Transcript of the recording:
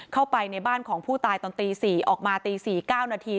เข้าไปในบ้านของผู้ตายตอนตี๔ออกมาตี๔๙นาที